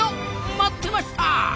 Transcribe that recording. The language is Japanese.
待ってました！